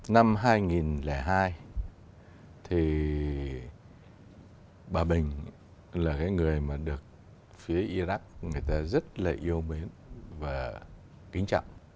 năm hai nghìn hai thì bà bình là cái người mà được phía iraq người ta rất là yêu mến và kính trọng